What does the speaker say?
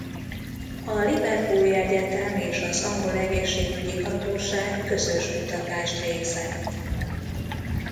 A Liverpooli Egyetem és az angol egészségügyi hatóság közös kutatást végzett.